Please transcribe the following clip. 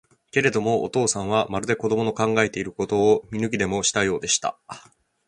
けれども、お父さんは、まるで子供の考えていることを見抜きでもしたようでした。